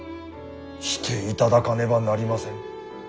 していただかねばなりません。